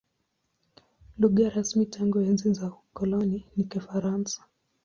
Lugha rasmi tangu enzi za ukoloni ni Kifaransa.